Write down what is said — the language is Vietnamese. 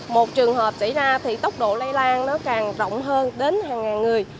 một trường hợp xảy ra thì tốc độ lây lan nó càng rộng hơn đến hàng ngàn người